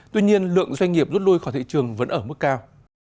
tuy nhiên lượng doanh nghiệp rút lui khỏi thị trường vẫn ở mức cao